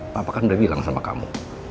papa kan udah bilang sama kamu